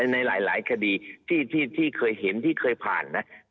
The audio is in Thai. ในหลายคดีที่เคยเห็นที่เคยผ่านนะ